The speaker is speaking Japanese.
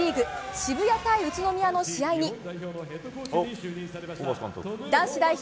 渋谷対宇都宮の試合に男子代表